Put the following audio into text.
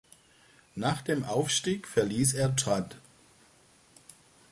Nach dem Aufstieg verließ er Trat.